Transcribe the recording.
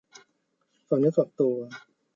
ฝากเนื้อฝากตัว